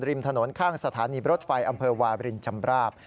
ริมถนนข้างสถานีรถไฟอำเภอวาบรินชำราบ